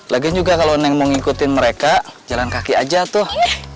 lagian juga kalau neng mau ngikutin mereka jalan kaki aja tuh